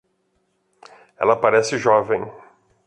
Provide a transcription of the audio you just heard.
Ela parece jovem.